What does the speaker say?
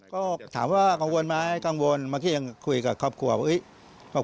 ก็ถามว่ากังวลไหมกังวลเมื่อกี้ยังคุยกับครอบครัวว่า